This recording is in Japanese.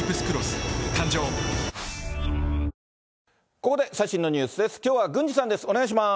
ここで最新のニュースです。